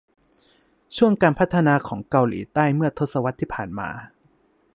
ช่วงการพัฒนาของเกาหลีใต้เมื่อทศวรรษที่ผ่านมา